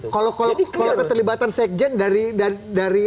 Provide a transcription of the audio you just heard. kalau keterlibatan sekjen dari